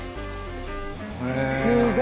へえ。